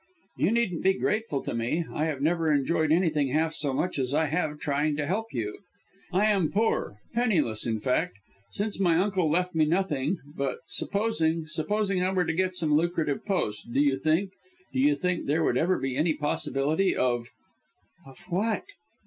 "You needn't be grateful to me. I have never enjoyed anything half so much as I have trying to help you. I am poor, penniless in fact, since my uncle left me nothing, but supposing supposing I were to get some lucrative post, do you think do you think there would ever be any possibility of " "Of what?"